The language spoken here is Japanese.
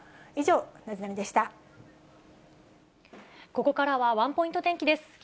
以上、ここからは、ワンポイント天気です。